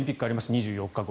２４日後。